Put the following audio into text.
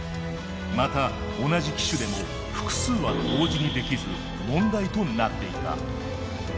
また同じ機種でも複数は同時にできず問題となっていた。